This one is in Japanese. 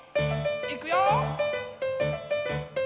いくよ！